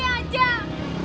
kau bisa turun pulang